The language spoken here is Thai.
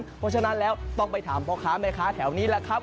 เพราะฉะนั้นแล้วต้องไปถามพ่อค้าแม่ค้าแถวนี้แหละครับ